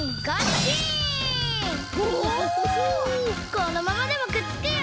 このままでもくっつくよ！